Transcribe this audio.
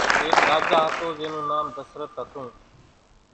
ايڪ راجا ھتو زين نون نام دسرت ھتون